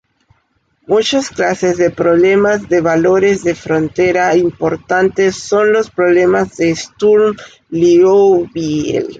Muchas clases de problemas de valores de frontera importantes son los problemas de Sturm-Liouville.